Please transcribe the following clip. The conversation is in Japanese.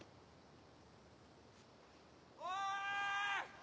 ・おい！